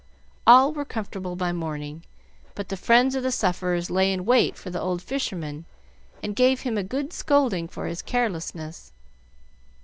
All were comfortable by morning, but the friends of the sufferers lay in wait for the old fisherman, and gave him a good scolding for his carelessness.